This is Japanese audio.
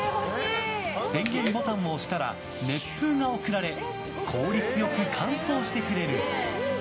電源ボタンを押したら熱風が送られ効率良く乾燥してくれる。